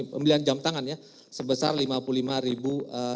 pembelian jam tangan sebesar rp lima puluh lima ribu